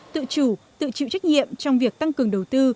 tự chủ tự chịu trách nhiệm trong việc tăng cường đầu tư